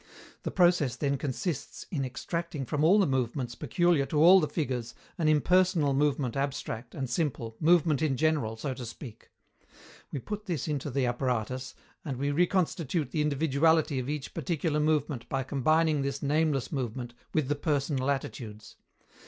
The process then consists in extracting from all the movements peculiar to all the figures an impersonal movement abstract and simple, movement in general, so to speak: we put this into the apparatus, and we reconstitute the individuality of each particular movement by combining this nameless movement with the personal attitudes.